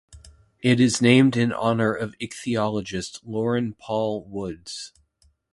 It is named in honour of ichthyologist Loren Paul Woods.